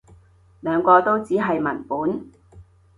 兩個都只係文本